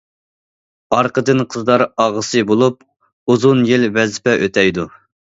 ئارقىدىن قىزلار ئاغىسى بولۇپ، ئۇزۇن يىل ۋەزىپە ئۆتەيدۇ.